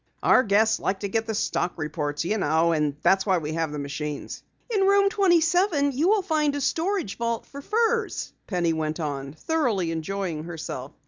"Our guests like to get the stock reports, you know, and that is why we have the machines." "In Room 27 you will find a storage vault for furs," Penny went on, thoroughly enjoying herself.